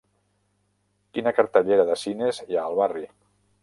Quina cartellera de cines hi ha al barri